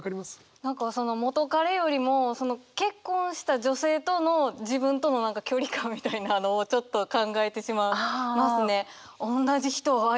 何かその元カレよりも結婚した女性との自分との距離感みたいなのをちょっと考えてしまいますね。